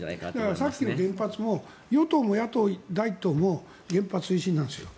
さっきの原発も与党第１党も原発推進なんです。